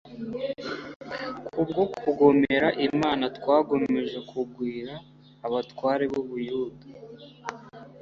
kubwo kugomera imana kwakomeje kugwira, abatware b'ubuyuda